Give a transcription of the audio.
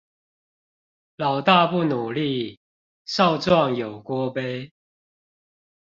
老大不努力，少壯有鍋背